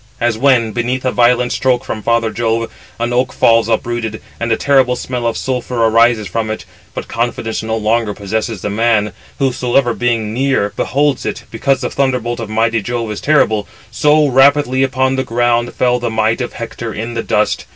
As when, beneath a violent stroke from father Jove, an oak falls uprooted, and a terrible smell of sulphur arises from it; but confidence no longer possesses the man, whosoever being near beholds it, because the thunderbolt of mighty Jove is terrible: so rapidly upon the ground fell the might of Hector in the dust.